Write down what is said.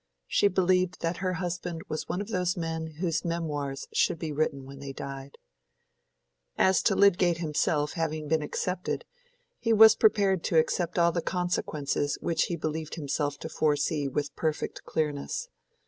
She believed that her husband was one of those men whose memoirs should be written when they died. As to Lydgate himself, having been accepted, he was prepared to accept all the consequences which he believed himself to foresee with perfect clearness.